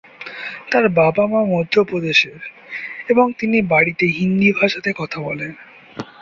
তার বাবা-মা মধ্যপ্রদেশের এবং তিনি বাড়িতে হিন্দি ভাষাতে কথা বলেন।